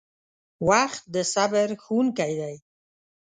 • وخت د صبر ښوونکی دی.